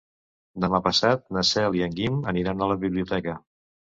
Demà passat na Cel i en Guim aniran a la biblioteca.